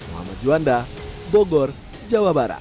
muhammad juanda bogor jawa barat